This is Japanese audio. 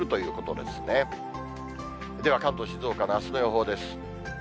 では、関東、静岡のあすの予報です。